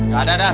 gak ada dar